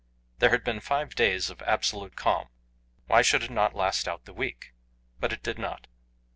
There had been five days of absolute calm; why should it not last out the week? But it did not.